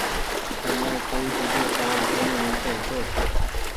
مني ڪوئي ۮوجو ڪآم ڪونيٚ ميلتو هيتو۔